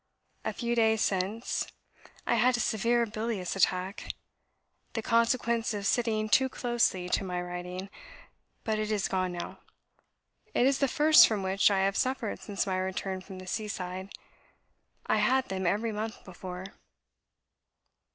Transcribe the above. A few days since, I had a severe bilious attack, the consequence of sitting too closely to my writing; but it is gone now. It is the first from which I have suffered since my return from the sea side. I had them every month before."